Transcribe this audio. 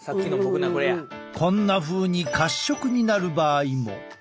こんなふうに褐色になる場合も。